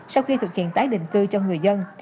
sau khi thực hiện tái định cư cho người dân